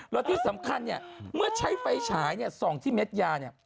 แล้วที่สำคัญเนี่ยเมื่อใช้ไฟฉายส่องที่เด็ดยาเนี่ย